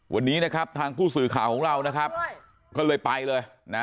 วันนี้ทางผู้สื่อข่าวของเราก็เลยไปเลย